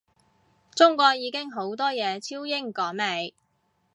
中國已經好多嘢超英趕美